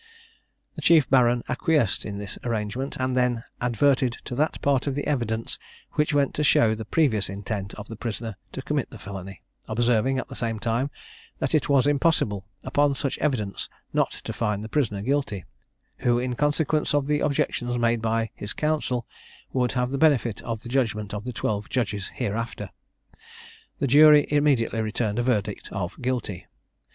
The chief baron acquiesced in this arrangement, and then adverted to that part of the evidence which went to show the previous intent of the prisoner to commit the felony; observing, at the same time, that it was impossible, upon such evidence, not to find the prisoner guilty, who, in consequence of the objections made by his counsel, would have the benefit of the judgment of the twelve judges hereafter. The jury immediately returned a verdict of Guilty.